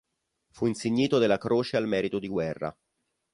Fu insignito della Croce al Merito di Guerra.